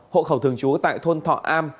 hộ khẩu thường trú tại thôn thọ am